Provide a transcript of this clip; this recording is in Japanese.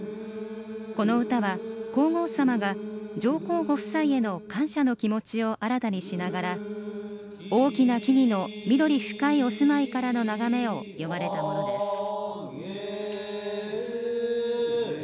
この歌は、皇后さまが上皇ご夫妻への感謝の気持ちを新たにしながら大きな木々の緑深いお住まいからの眺めを詠まれたものです。